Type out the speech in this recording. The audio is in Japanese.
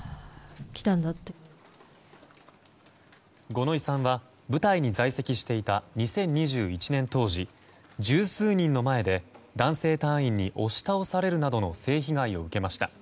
五ノ井さんは部隊に在籍していた２０２１年当時十数人の前で男性隊員に押し倒されるなどの性被害を受けました。